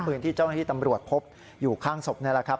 ปืนที่เจ้าหน้าที่ตำรวจพบอยู่ข้างศพนี่แหละครับ